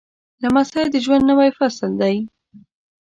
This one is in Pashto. لمسی د ژوند نوی فصل دی.